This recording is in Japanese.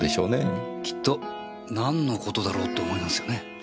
きっと何の事だろうと思いますよね。